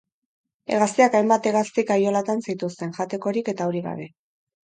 Hegaztiak hainbat hegazti-kaiolatan zituzten, jatekorik eta urik gabe.